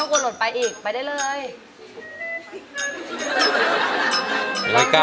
ต้องลดไปจริง